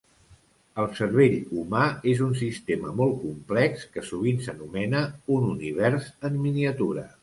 El cervell humà és un sistema molt complex que sovint s'anomena un univers en miniatura.